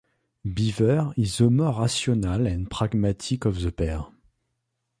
Beaver is the more rational and pragmatic of the pair.